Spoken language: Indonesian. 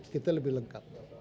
kita lebih lengkap